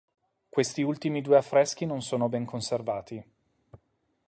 Questi ultimi due affreschi non sono ben conservati.